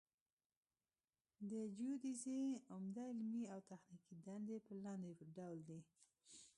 د جیودیزي عمده علمي او تخنیکي دندې په لاندې ډول دي